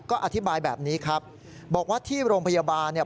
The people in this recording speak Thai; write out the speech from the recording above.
ก็อธิบายแบบนี้ครับบอกว่าที่โรงพยาบาลเนี่ย